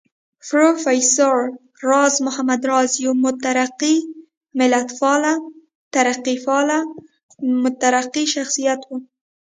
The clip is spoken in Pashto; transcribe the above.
پروفېسر راز محمد راز يو مترقي ملتپال، ترقيپال مترقي شخصيت و